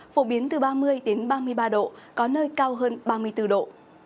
phổ biến từ ba mươi ba mươi ba độ có nơi cao hơn ba mươi bốn độ